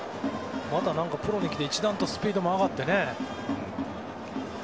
また、プロに来て一段とスピードも上がって。